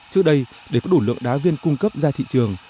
trước đây để có đủ lượng đá viên cung cấp ra thị trường